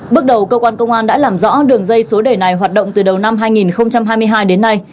bước đầu cơ quan công an đã làm rõ đường dây số đề này hoạt động từ đầu năm hai nghìn hai mươi hai đến nay